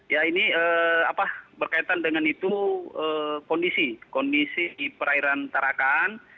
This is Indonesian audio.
ya ini berkaitan dengan kondisi di perairan tarakan